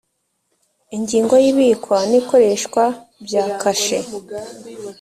ingingo ya ibikwa n ikoreshwa bya kashe